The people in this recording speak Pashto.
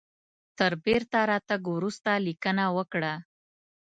تر بیرته راتګ وروسته لیکنه وکړه.